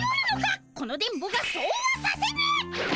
この電ボがそうはさせぬ！